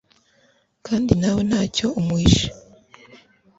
kandi nawe ntacyo umuhisha